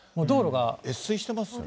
越水してますよね。